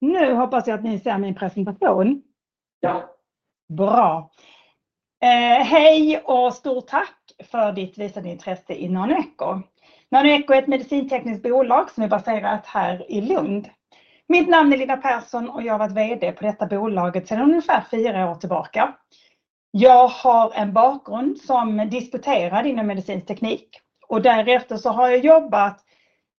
Nu hoppas jag att ni ser min presentation. Ja. Bra! Hej och stort tack för ditt visade intresse i NanoEcho. NanoEcho är ett medicintekniskt bolag som är baserat här i Lund. Mitt namn är Lina Persson och jag har varit VD på detta bolaget sedan ungefär fyra år tillbaka. Jag har en bakgrund som disputerad inom medicinsk teknik och därefter så har jag jobbat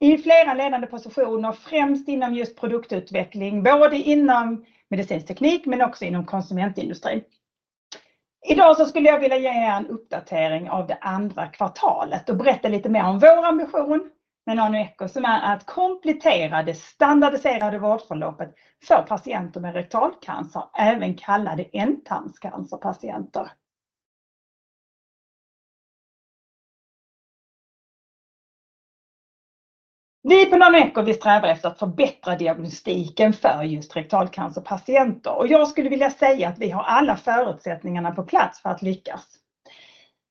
i flera ledande positioner, främst inom just produktutveckling, både inom medicinsk teknik men också inom konsumentindustrin. Idag så skulle jag vilja ge er en uppdatering av det andra kvartalet och berätta lite mer om vår ambition med NanoEcho, som är att komplettera det standardiserade vårdförloppet för patienter med rektalcancer, även kallade ändtarmscancerpatienter. Vi på NanoEcho, vi strävar efter att förbättra diagnostiken för just rektalcancerpatienter och jag skulle vilja säga att vi har alla förutsättningarna på plats för att lyckas.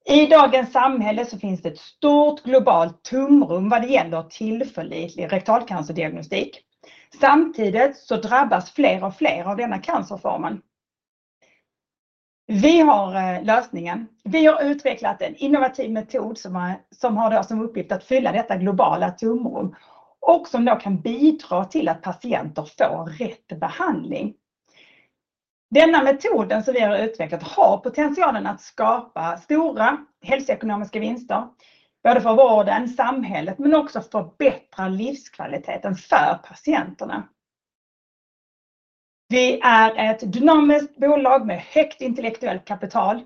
I dagens samhälle så finns det ett stort globalt tomrum vad det gäller tillförlitlig rektalcancerdiagnostik. Samtidigt så drabbas fler och fler av denna cancerform. Vi har lösningen. Vi har utvecklat en innovativ metod som har som uppgift att fylla detta globala tomrum och som då kan bidra till att patienter får rätt behandling. Denna metod som vi har utvecklat har potentialen att skapa stora hälsoekonomiska vinster, både för vården, samhället, men också för att förbättra livskvaliteten för patienterna. Vi är ett dynamiskt bolag med högt intellektuellt kapital.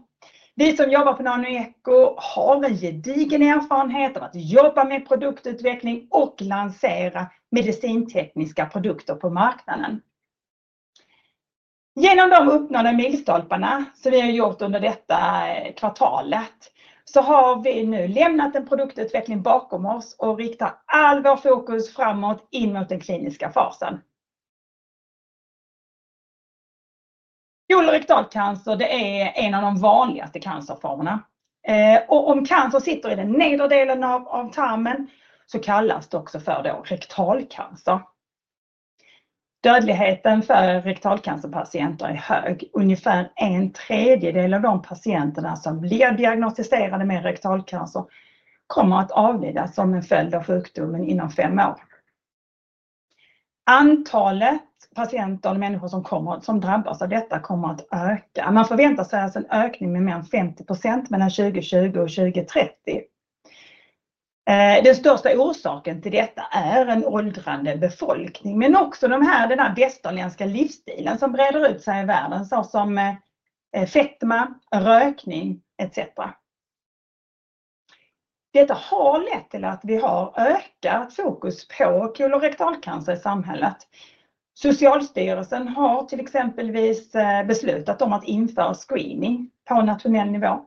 Vi som jobbar på NanoEcho har en gedigen erfarenhet av att jobba med produktutveckling och lansera medicintekniska produkter på marknaden. Genom de uppnådda milstolparna som vi har gjort under detta kvartal, så har vi nu lämnat en produktutveckling bakom oss och riktar all vår fokus framåt in mot den kliniska fasen. Kolorektalcancer, det är en av de vanligaste cancerformerna. Om cancer sitter i den nedre delen av tarmen så kallas det också för rektalcancer. Dödligheten för rektalcancerpatienter är hög. Ungefär en tredjedel av de patienter som blir diagnostiserade med rektalcancer kommer att avlida som en följd av sjukdomen inom fem år. Antalet patienter och människor som drabbas av detta kommer att öka. Man förväntar sig en ökning med mer än 50% mellan 2020 och 2030. Den största orsaken till detta är en åldrande befolkning, men också den västerländska livsstilen som breder ut sig i världen, såsom fetma, rökning et cetera. Detta har lett till att vi har ökat fokus på kolorektalcancer i samhället. Socialstyrelsen har till exempel beslutat om att införa screening på nationell nivå.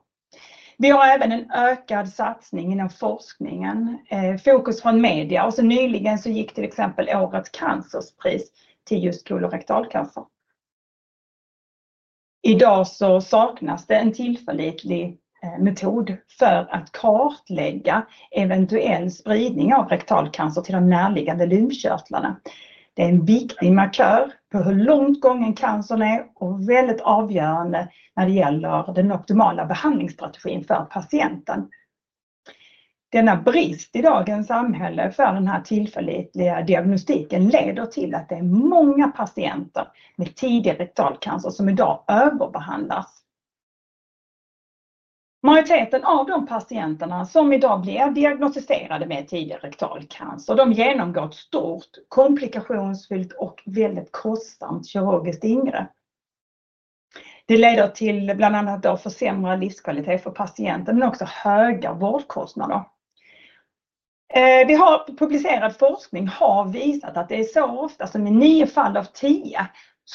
Vi har även en ökad satsning inom forskningen, fokus från media och så nyligen så gick till exempel årets cancerspris till just kolorektalcancer. Idag saknas det en tillförlitlig metod för att kartlägga eventuell spridning av rektalcancer till de närliggande lymfkörtlarna. Det är en viktig markör på hur långt gången cancern är och väldigt avgörande när det gäller den optimala behandlingsstrategin för patienten. Denna brist i dagens samhälle för den här tillförlitliga diagnostiken leder till att det är många patienter med tidig rektalcancer som idag överbehandlas. Majoriteten av de patienter som idag blir diagnostiserade med tidig rektalcancer genomgår ett stort, komplikationsfyllt och väldigt kostsamt kirurgiskt ingrepp. Det leder till bland annat försämrad livskvalitet för patienten, men också höga vårdkostnader. Vi har publicerad forskning som har visat att det är så ofta som i nio fall av tio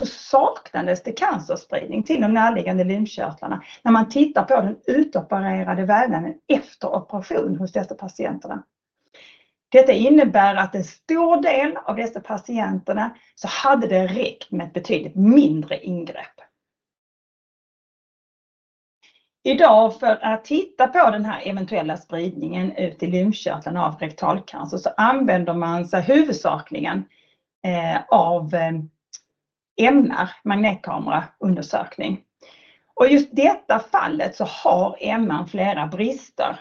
saknas cancerspridning till de närliggande lymfkörtlarna när man tittar på den utopererade vävnaden efter operation hos dessa patienter. Detta innebär att en stor del av dessa patienter så hade det räckt med ett betydligt mindre ingrepp. Idag för att titta på den här eventuella spridningen ut i lymfkörtlarna av rektalcancer, så använder man sig huvudsakligen av MR, magnetkameraundersökning. Just detta fallet så har MR flera brister.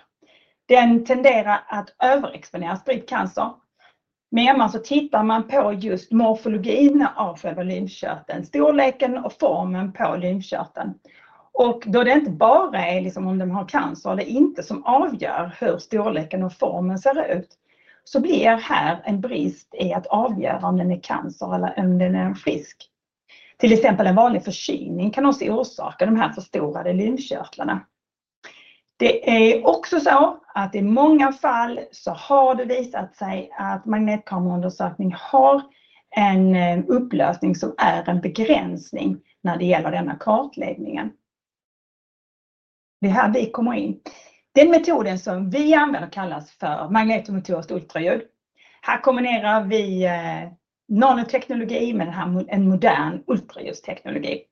Den tenderar att överexponera spridd cancer. Med MR så tittar man på just morfologin av själva lymfkörteln, storleken och formen på lymfkörteln. Det inte bara är om den har cancer eller inte, som avgör hur storleken och formen ser ut, så blir här en brist i att avgöra om den är cancer eller om den är frisk. Till exempel, en vanlig förkylning kan också orsaka de här förstorade lymfkörtlarna. Det är också så att i många fall så har det visat sig att magnetkameraundersökning har en upplösning som är en begränsning när det gäller denna kartläggning. Det är här vi kommer in. Den metoden som vi använder kallas för magneto-nukleus ultraljud. Här kombinerar vi nanoteknologi med den här, en modern ultraljudsteknologi.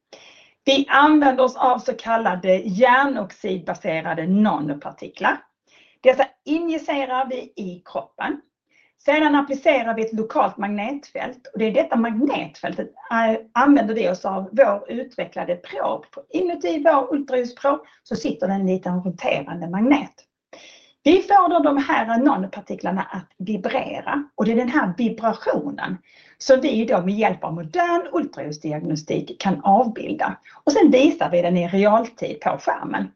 Vi använder oss av så kallade järnoxidbaserade nanopartiklar. Dessa injicerar vi i kroppen. Sedan applicerar vi ett lokalt magnetfält och det är detta magnetfält vi använder oss av vår utvecklade prob. Inuti vår ultraljudsprob så sitter det en liten roterande magnet. Vi får då de här nanopartiklarna att vibrera och det är den här vibrationen som vi då med hjälp av modern ultraljudsdiagnostik kan avbilda och sedan visar vi den i realtid på skärmen.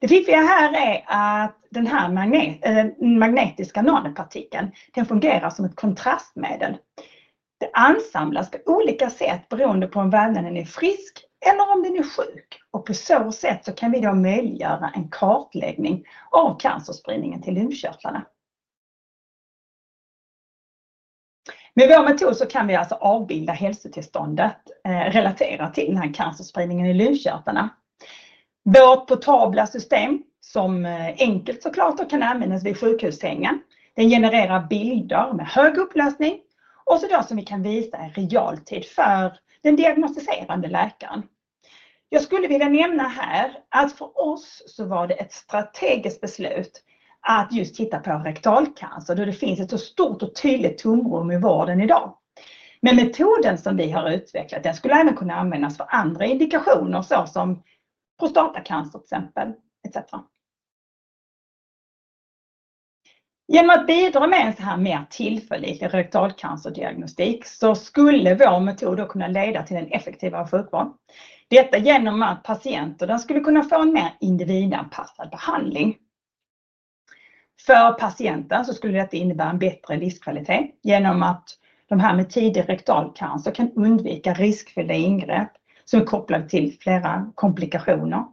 Det fiffiga här är att den här magnet, magnetiska nanopartikeln, den fungerar som ett kontrastmedel. Det ansamlas på olika sätt beroende på om vävnaden är frisk eller om den är sjuk och på så sätt så kan vi då möjliggöra en kartläggning av cancerspridningen till lymfkörtlarna. Med vår metod så kan vi alltså avbilda hälsotillståndet relaterat till den här cancerspridningen i lymfkörtlarna. Vårt portabla system, som enkelt så klart då kan användas vid sjukhussängen, den genererar bilder med hög upplösning och så då som vi kan visa i realtid för den diagnosticerande läkaren. Jag skulle vilja nämna här att för oss så var det ett strategiskt beslut att just titta på rektalcancer, då det finns ett så stort och tydligt tomrum i vården idag. Men metoden som vi har utvecklat, den skulle även kunna användas för andra indikationer, så som prostatacancer, till exempel, et cetera. Genom att bidra med en såhär mer tillförlitlig rektalcancerdiagnostik så skulle vår metod då kunna leda till en effektivare sjukvård. Detta genom att patienter, de skulle kunna få en mer individanpassad behandling. För patienten så skulle detta innebära en bättre livskvalitet genom att de här med tidig rektalcancer kan undvika riskfyllda ingrepp som är kopplat till flera komplikationer.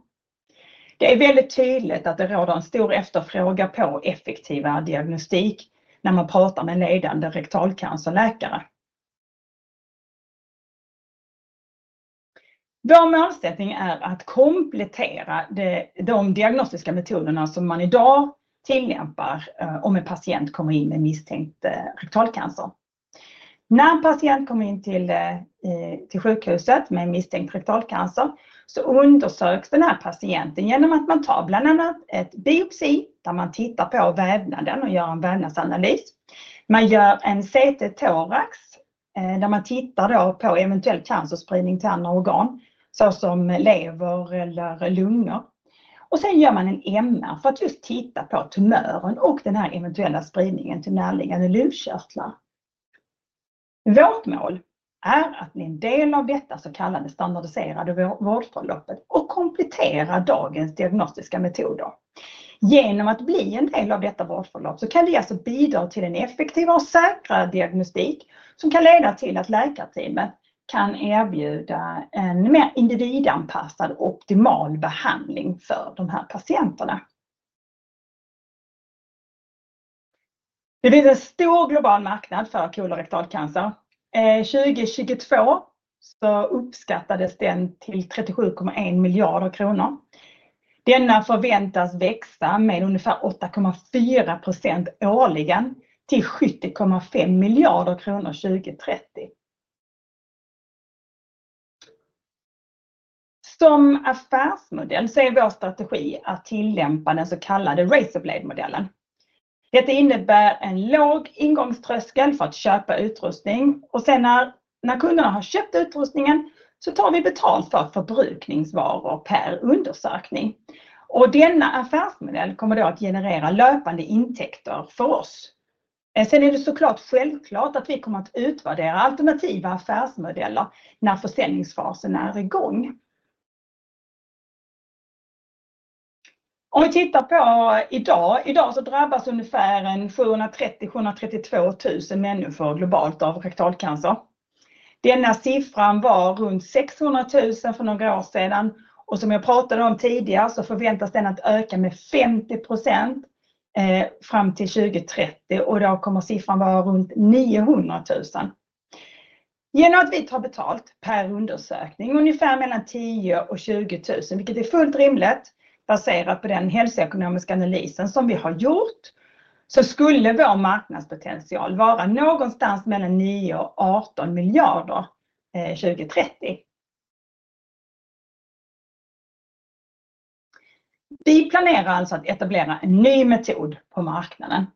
Det är väldigt tydligt att det råder en stor efterfrågan på effektivare diagnostik när man pratar med ledande rektalcancerläkare. Vår målsättning är att komplettera de diagnostiska metoderna som man idag tillämpar om en patient kommer in med misstänkt rektalcancer. När en patient kommer in till sjukhuset med en misstänkt rektalcancer, så undersöks den här patienten igenom att man tar bland annat ett biopsi, där man tittar på vävnaden och gör en vävnadsanalys. Man gör en CT thorax, där man tittar då på eventuell cancerspridning till andra organ, så som lever eller lungor. Och sen gör man en MR för att just titta på tumören och den här eventuella spridningen till närliggande lymfkörtlar. Vårt mål är att bli en del av detta så kallade standardiserade vårdförloppet och komplettera dagens diagnostiska metoder. Genom att bli en del av detta vårdförlopp så kan det alltså bidra till en effektiv och säkrare diagnostik som kan leda till att läkarteamet kan erbjuda en mer individanpassad och optimal behandling för de här patienterna. Det finns en stor global marknad för kolorektalcancer. 2022 så uppskattades den till 37,1 miljarder kronor. Denna förväntas växa med ungefär 8,4% årligen till 70,5 miljarder kronor 2030. Som affärsmodell så är vår strategi att tillämpa den så kallade razor blade-modellen. Detta innebär en låg ingångströskel för att köpa utrustning och sedan när kunderna har köpt utrustningen så tar vi betalt för förbrukningsvaror per undersökning. Denna affärsmodell kommer då att generera löpande intäkter för oss. Sen är det så klart självklart att vi kommer att utvärdera alternativa affärsmodeller när försäljningsfasen är i gång. Om vi tittar på idag. Idag så drabbas ungefär 732,000 människor globalt av rektalcancer. Denna siffran var runt 600,000 för några år sedan och som jag pratade om tidigare, så förväntas den att öka med 50% fram till 2030 och då kommer siffran vara runt 900,000. Genom att vi tar betalt per undersökning, ungefär mellan 10,000 och 20,000, vilket är fullt rimligt, baserat på den hälsoekonomiska analysen som vi har gjort, så skulle vår marknadspotential vara någonstans mellan 9 och 18 miljarder 2030. Vi planerar alltså att etablera en ny metod på marknaden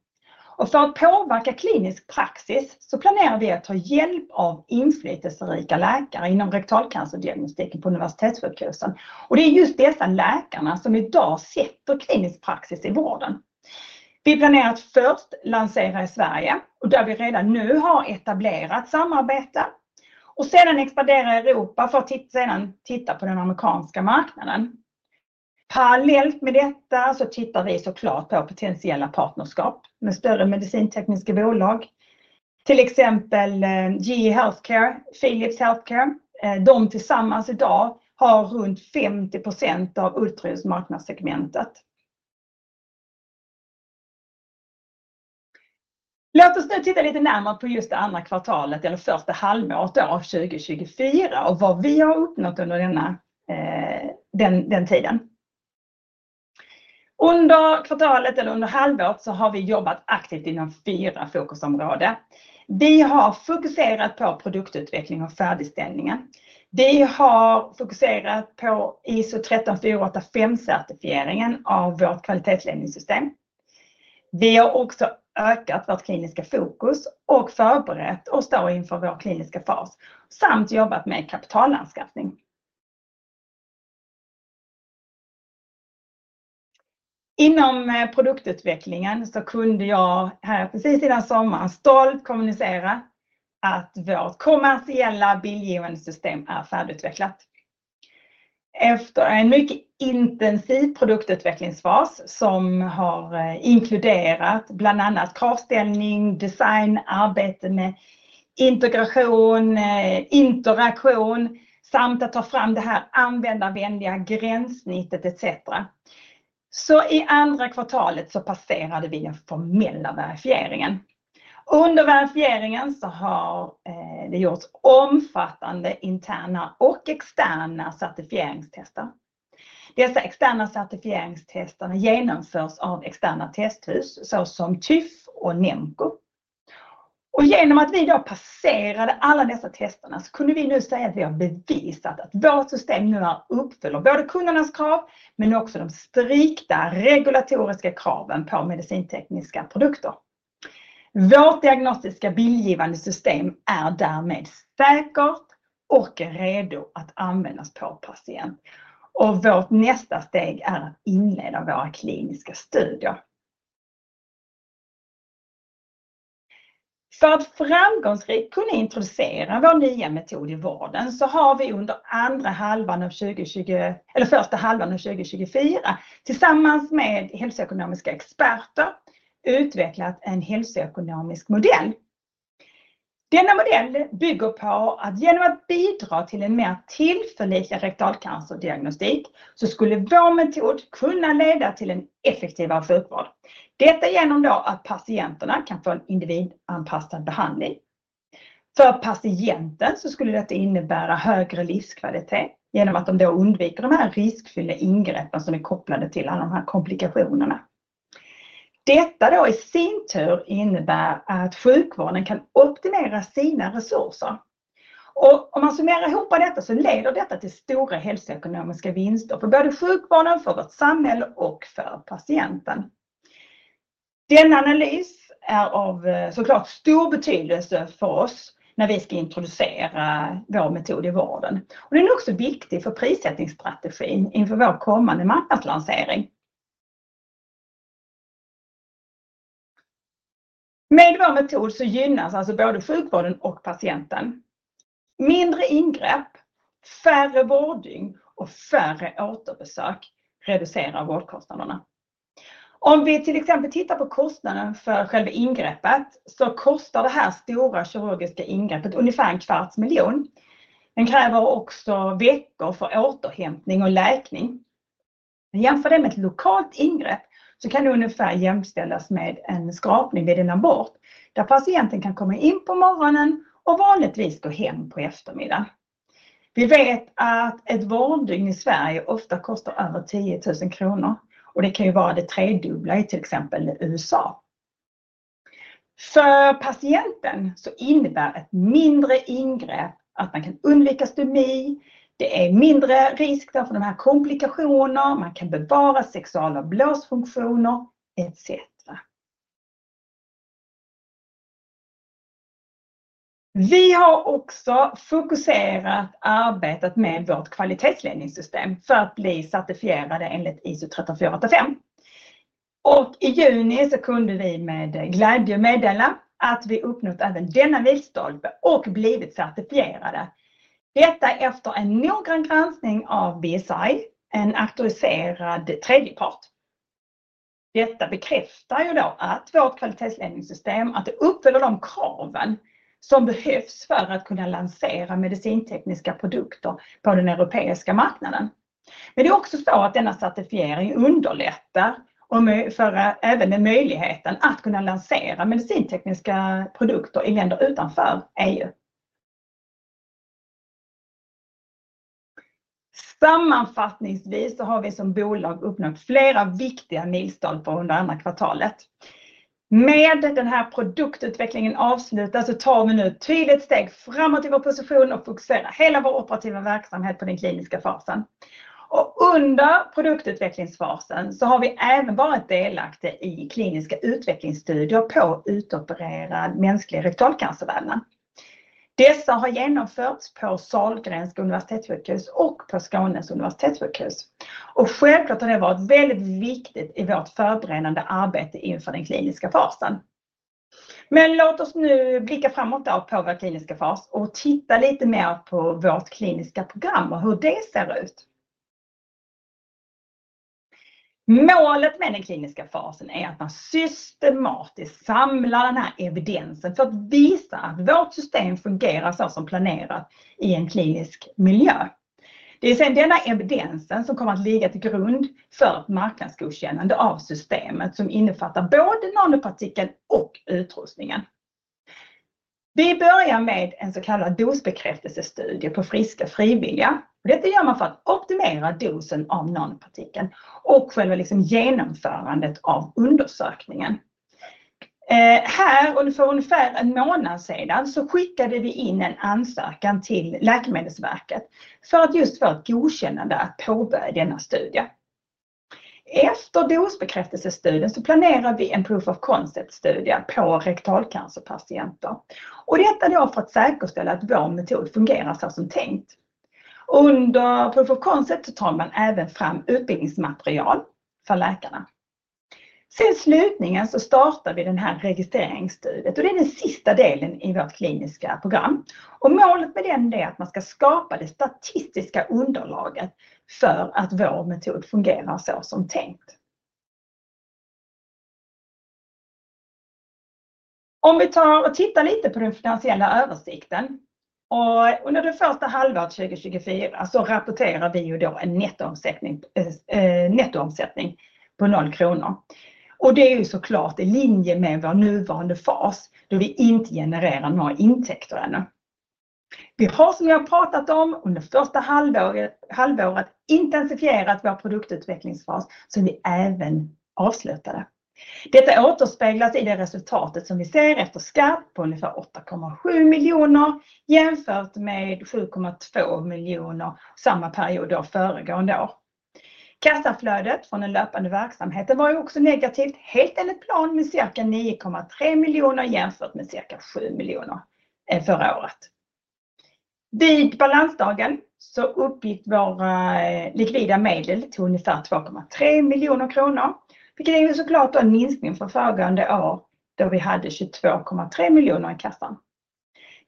och för att påverka klinisk praxis så planerar vi att ta hjälp av inflytelserika läkare inom rektalcancerdiagnostiken på universitetssjukhusen. Och det är just dessa läkarna som idag sätter klinisk praxis i vården. Vi planerar att först lansera i Sverige och där vi redan nu har etablerat samarbete och sedan expandera i Europa för att sedan titta på den amerikanska marknaden. Parallellt med detta så tittar vi så klart på potentiella partnerskap med större medicintekniska bolag, till exempel GE Healthcare, Philips Healthcare. De tillsammans idag har runt 50% av ultraljudsmarknadssegmentet. Låt oss nu titta lite närmare på just det andra kvartalet eller första halvåret av 2024 och vad vi har uppnått under denna tiden. Under kvartalet eller under halvåret så har vi jobbat aktivt inom fyra fokusområden. Vi har fokuserat på produktutveckling och färdigställningen. Vi har fokuserat på ISO 13485-certifieringen av vårt kvalitetsledningssystem. Vi har också ökat vårt kliniska fokus och förberett oss inför vår kliniska fas, samt jobbat med kapitalanskaffning. Inom produktutvecklingen så kunde jag precis innan sommaren stolt kommunicera att vårt kommersiella bildgivande system är färdigutvecklat. Efter en mycket intensiv produktutvecklingsfas som har inkluderat bland annat kravställning, design, arbete med integration, interaktion samt att ta fram det här användarvänliga gränssnittet et cetera. I andra kvartalet så passerade vi den formella verifieringen. Under verifieringen så har det gjorts omfattande interna och externa certifieringstester. Dessa externa certifieringstester genomförs av externa testhus, så som TÜV och NEMKO. Genom att vi då passerade alla dessa tester så kunde vi nu säga att vi har bevisat att vårt system nu uppfyller både kundernas krav, men också de strikta regulatoriska kraven på medicintekniska produkter. Vårt diagnostiska bildgivande system är därmed säkert och är redo att användas på patient. Vårt nästa steg är att inleda våra kliniska studier. För att framgångsrikt kunna introducera vår nya metod i vården så har vi under andra halvan av 2020, eller första halvan av 2024, tillsammans med hälsoekonomiska experter, utvecklat en hälsoekonomisk modell. Denna modell bygger på att genom att bidra till en mer tillförlitlig rektalcancerdiagnostik, så skulle vår metod kunna leda till en effektivare sjukvård. Detta genom då att patienterna kan få en individanpassad behandling. För patienten så skulle detta innebära högre livskvalitet, genom att de då undviker de här riskfyllda ingreppen som är kopplade till alla de här komplikationerna. Detta då i sin tur innebär att sjukvården kan optimera sina resurser. Om man summerar ihop detta så leder detta till stora hälsoekonomiska vinster för både sjukvården, för vårt samhälle och för patienten. Denna analys är så klart av stor betydelse för oss när vi ska introducera vår metod i vården. Och den är också viktig för prissättningsstrategin inför vår kommande marknadslansering. Med vår metod så gynnas alltså både sjukvården och patienten. Mindre ingrepp, färre vårddygn och färre återbesök reducerar vårdkostnaderna. Om vi till exempel tittar på kostnaden för själva ingreppet, så kostar det här stora kirurgiska ingreppet ungefär 250 000 kr. Den kräver också veckor för återhämtning och läkning. Jämför det med ett lokalt ingrepp, så kan det ungefär jämställas med en skrapning vid en abort, där patienten kan komma in på morgonen och vanligtvis gå hem på eftermiddagen. Vi vet att ett vårddygn i Sverige ofta kostar över 10 000 kr och det kan ju vara det tredubbla i till exempel USA. För patienten så innebär ett mindre ingrepp att man kan undvika stomi, det är mindre risk för de här komplikationerna, man kan bevara sexual- och blåsfunktioner et cetera. Vi har också fokuserat arbetet med vårt kvalitetsledningssystem för att bli certifierade enligt ISO 13485. I juni så kunde vi med glädje meddela att vi uppnått även denna milstolpe och blivit certifierade. Detta efter en noggrann granskning av BSI, en auktoriserad tredje part. Detta bekräftar att vårt kvalitetsledningssystem uppfyller de krav som behövs för att kunna lansera medicintekniska produkter på den europeiska marknaden. Men det är också så att denna certifiering underlättar och för även med sig möjligheten att kunna lansera medicintekniska produkter i länder utanför EU. Sammanfattningsvis så har vi som bolag uppnått flera viktiga milstolpar under andra kvartalet. Med den här produktutvecklingen avslutad så tar vi nu ett tydligt steg framåt i vår position och fokuserar hela vår operativa verksamhet på den kliniska fasen. Under produktutvecklingsfasen så har vi även varit delaktiga i kliniska utvecklingsstudier på utopererad mänsklig rektalcancervävnad. Dessa har genomförts på Sahlgrenska Universitetssjukhus och på Skånes Universitetssjukhus. Självklart har det varit väldigt viktigt i vårt förberedande arbete inför den kliniska fasen. Men låt oss nu blicka framåt då på vår kliniska fas och titta lite mer på vårt kliniska program och hur det ser ut. Målet med den kliniska fasen är att man systematiskt samlar den här evidensen för att visa att vårt system fungerar så som planerat i en klinisk miljö. Det är sedan denna evidensen som kommer att ligga till grund för ett marknadsgodkännande av systemet, som innefattar både nanopartikeln och utrustningen. Vi börjar med en så kallad dosbekräftelsestudie på friska frivilliga. Detta gör man för att optimera dosen av nanopartikeln och själva genomförandet av undersökningen. Här, för ungefär en månad sedan så skickade vi in en ansökan till Läkemedelsverket för att just få ett godkännande att påbörja denna studie. Efter dosbekräftelsestudien så planerar vi en proof of concept-studie på rektalcancerpatienter. Detta då för att säkerställa att vår metod fungerar så som tänkt. Under proof of concept så tar man även fram utbildningsmaterial för läkarna. Sen slutligen så startar vi det här registreringsstudiet och det är den sista delen i vårt kliniska program. Målet med den är att man ska skapa det statistiska underlaget för att vår metod fungerar så som tänkt. Om vi tar och tittar lite på den finansiella översikten, under det första halvåret 2024 så rapporterar vi ju då en nettoomsättning på noll kronor. Det är ju så klart i linje med vår nuvarande fas, då vi inte genererar några intäkter ännu. Vi har, som jag pratat om, under första halvåret intensifierat vår produktutvecklingsfas som vi även avslutade. Detta återspeglas i det resultatet som vi ser efter skatt på ungefär 8,7 miljoner, jämfört med 7,2 miljoner, samma period föregående år. Kassaflödet från den löpande verksamheten var också negativt, helt enligt plan med cirka 9,3 miljoner jämfört med cirka 7 miljoner förra året. Vid balansdagen så uppgick våra likvida medel till ungefär 2,3 miljoner kronor, vilket är så klart en minskning från föregående år, då vi hade 22,3 miljoner i kassan.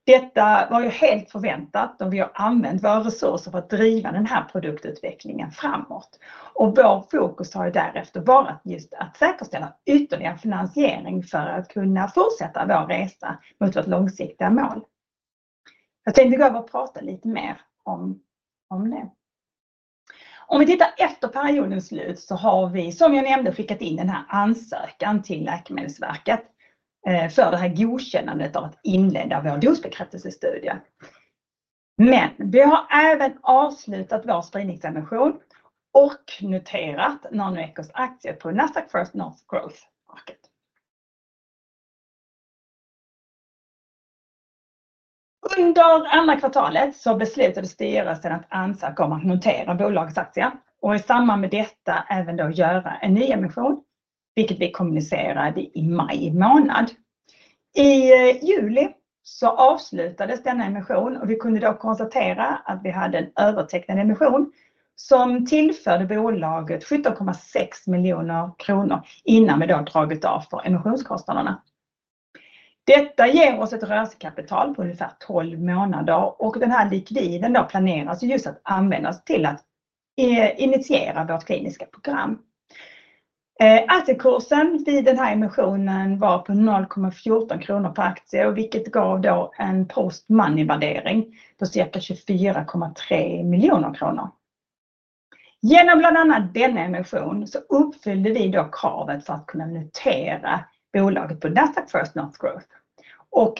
Detta var helt förväntat, då vi har använt våra resurser för att driva den här produktutvecklingen framåt. Vår fokus har därefter varit att säkerställa ytterligare finansiering för att kunna fortsätta vår resa mot vårt långsiktiga mål. Jag tänkte gå över och prata lite mer om det. Om vi tittar efter periodens slut så har vi, som jag nämnde, skickat in den här ansökan till Läkemedelsverket för det här godkännandet av att inleda vår dosbekräftelsestudie. Men vi har även avslutat vår spridningsemission och noterat NanoEchos aktier på Nasdaq First North Growth Market. Under andra kvartalet så beslutade styrelsen att ansöka om att notera bolagets aktier och i samband med detta även då göra en nyemission, vilket vi kommunicerade i maj månad. I juli så avslutades denna emission och vi kunde då konstatera att vi hade en övertecknad emission som tillförde bolaget 17,6 miljoner kronor innan vi dragit av för emissionskostnaderna. Detta ger oss ett rörelsekapital på ungefär tolv månader och den här likviden då planeras just att användas till att initiera vårt kliniska program. Aktiekursen vid den här emissionen var på 0,14 kronor per aktie, vilket gav då en post money-värdering på cirka 24,3 miljoner kronor. Genom bland annat denna emission så uppfyllde vi då kraven för att kunna notera bolaget på Nasdaq First North Growth.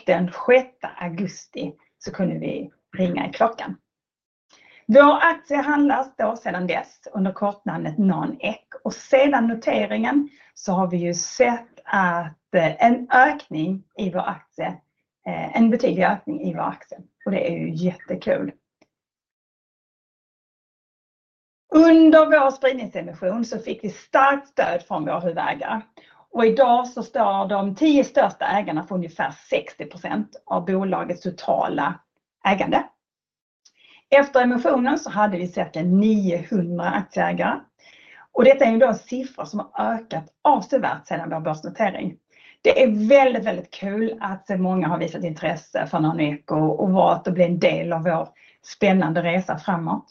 Den sjätte augusti så kunde vi ringa i klockan. Vår aktie handlas då sedan dess under kortnamnet NanoEcho och sedan noteringen så har vi sett en ökning i vår aktie, en betydlig ökning i vår aktie och det är jättekul! Under vår spridningsemission så fick vi starkt stöd från vår huvudägare och idag så står de tio största ägarna för ungefär 60% av bolagets totala ägande. Efter emissionen så hade vi cirka niohundra aktieägare och detta är då en siffra som har ökat avsevärt sedan vår börsnotering. Det är väldigt, väldigt kul att så många har visat intresse för NanoEcho och valt att bli en del av vår spännande resa framåt.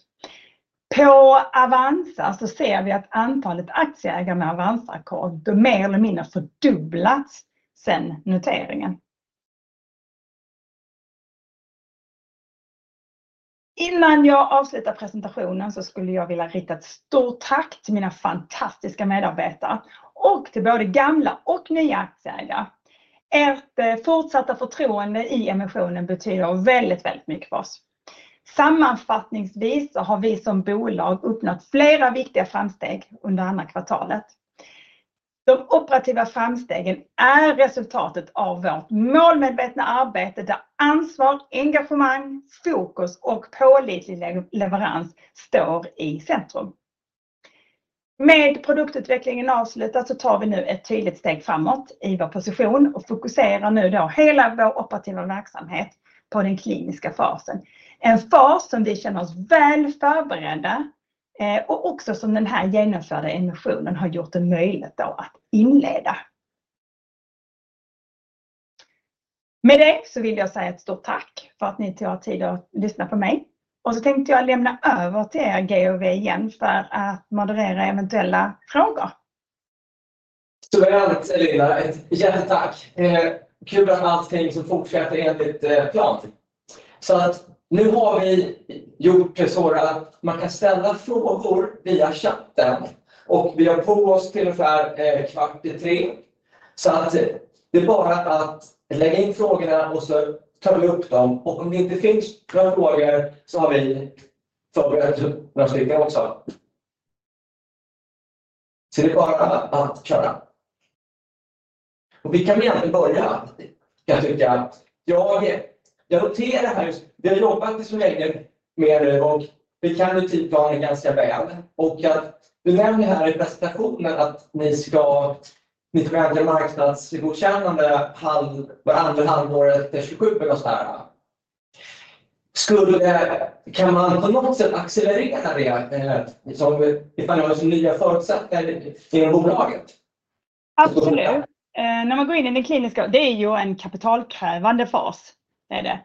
På Avanza ser vi att antalet aktieägare med Avanza-kort mer eller mindre fördubblats sedan noteringen. Innan jag avslutar presentationen skulle jag vilja rikta ett stort tack till mina fantastiska medarbetare och till både gamla och nya aktieägare. Ert fortsatta förtroende i emissionen betyder väldigt, väldigt mycket för oss. Sammanfattningsvis har vi som bolag uppnått flera viktiga framsteg under andra kvartalet. De operativa framstegen är resultatet av vårt målmedvetna arbete, där ansvar, engagemang, fokus och pålitlig leverans står i centrum. Med produktutvecklingen avslutad tar vi nu ett tydligt steg framåt i vår position och fokuserar nu hela vår operativa verksamhet på den kliniska fasen. En fas som vi känner oss väl förberedda, och också som den här genomförda emissionen har gjort det möjligt då att inleda. Med det så vill jag säga ett stort tack för att ni tog er tid att lyssna på mig och så tänkte jag lämna över till er G&W igen för att moderera eventuella frågor. Så väl, Celina, ett hjärtligt tack! Kul med allting som fortsätter enligt plan. Så att nu har vi gjort det sådana att man kan ställa frågor via chatten och vi har på oss till ungefär kvart i tre. Så att det är bara att lägga in frågorna och så tar vi upp dem. Om det inte finns några frågor så har vi förberett några stycken också. Så det är bara att köra. Vi kan väl egentligen börja, kan jag tycka. Jag noterar det här just, vi har jobbat inte så länge med er och vi kan ju tidplanen ganska väl och att du nämner här i presentationen att ni ska ha ett marknadsgodkännande andra halvåret 2027 på oss där. Skulle, kan man på något sätt accelerera det som ifall det var så nya förutsättningar för bolaget? Absolut. När man går in i det kliniska, det är ju en kapitalkrävande fas, det är det.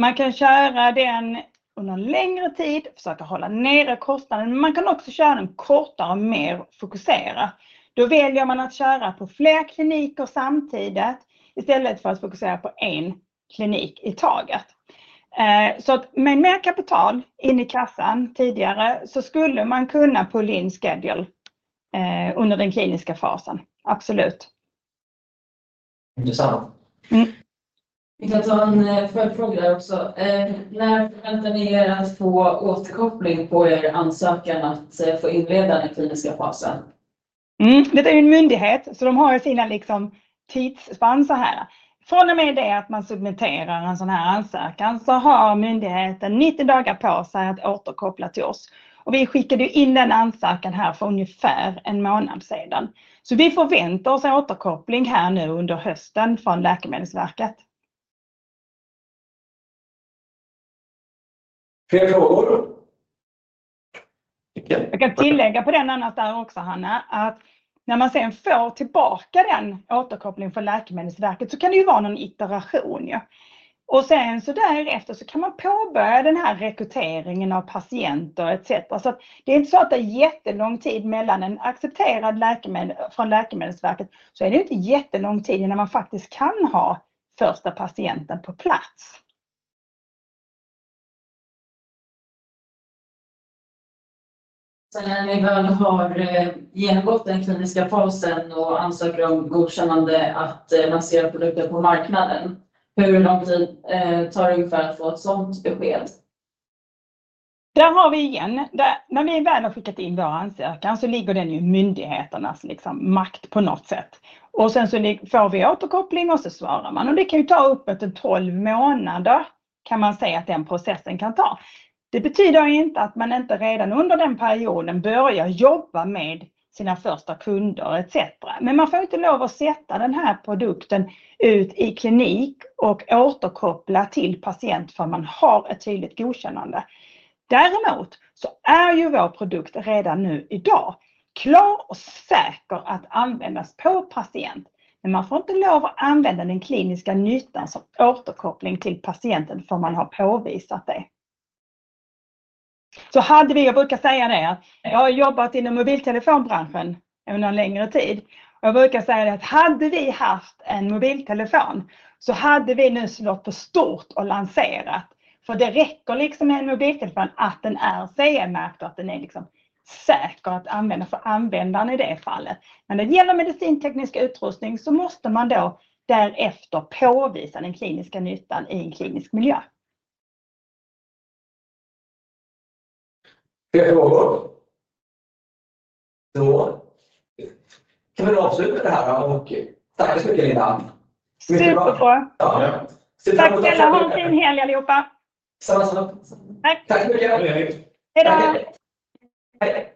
Man kan köra den under en längre tid, försöka hålla nere kostnaden, men man kan också köra den kortare och mer fokuserat. Då väljer man att köra på fler kliniker samtidigt istället för att fokusera på en klinik i taget. Så att med mer kapital in i kassan tidigare så skulle man kunna dra in schemat under den kliniska fasen. Absolut. Interesting. Mm. Vi kan ta en följdfråga där också. När förväntar ni er att få återkoppling på er ansökan att få inleda den kliniska fasen? Mm, det är ju en myndighet, så de har ju sina liksom tidsspann såhär. Från och med det att man submitterar en sådan här ansökan så har myndigheten nittio dagar på sig att återkoppla till oss. Vi skickade ju in den ansökan här för ungefär en månad sedan. Så vi förväntar oss återkoppling här nu under hösten från Läkemedelsverket. Fler frågor? Jag kan tillägga på det annat där också, Hanna, att när man sedan får tillbaka den återkopplingen från Läkemedelsverket, så kan det ju vara någon iteration ju. Och sedan så därefter så kan man påbörja den här rekryteringen av patienter etcetera. Så att det är inte så att det är jättelång tid mellan en accepterad läkemedel från Läkemedelsverket, så är det inte jättelång tid innan man faktiskt kan ha första patienten på plats. Så när ni väl har genomgått den kliniska fasen och ansöker om godkännande att lansera produkten på marknaden, hur lång tid tar det ungefär att få ett sådant besked? Där har vi igen, när vi väl har skickat in vår ansökan så ligger den ju i myndigheternas makt på något sätt. Sen så får vi återkoppling och så svarar man. Det kan ju ta uppåt tolv månader, kan man säga att den processen kan ta. Det betyder inte att man inte redan under den perioden börjar jobba med sina första kunder etcetera. Men man får inte lov att sätta den här produkten ut i klinik och återkoppla till patient förrän man har ett tydligt godkännande. Däremot så är ju vår produkt redan nu i dag klar och säker att användas på patient, men man får inte lov att använda den kliniska nyttan som återkoppling till patienten förrän man har påvisat det. Så hade vi, jag brukar säga det, att jag har jobbat inom mobiltelefonbranschen under en längre tid. Jag brukar säga det, att hade vi haft en mobiltelefon så hade vi nu slagit på stort och lanserat. För det räcker liksom med en mobiltelefon att den är CE-märkt och att den är liksom säker att använda för användaren i det fallet. När det gäller medicinteknisk utrustning så måste man då därefter påvisa den kliniska nyttan i en klinisk miljö. Fler frågor? Då kan vi avsluta det här och tack så mycket, Linda. Superbra! Tack, ha en fin helg allihopa. Samma samma. Tack så mycket! Hej då. Hej. Hej!